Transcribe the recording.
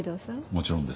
もちろんです。